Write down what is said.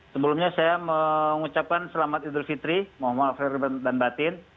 sebelumnya saya mengucapkan selamat idul fitri muhammad al fair dan batin